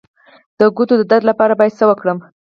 د ګوتو د درد لپاره باید څه وکړم؟